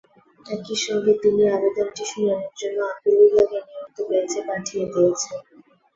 একই সঙ্গে তিনি আবেদনটি শুনানির জন্য আপিল বিভাগের নিয়মিত বেঞ্চে পাঠিয়ে দিয়েছেন।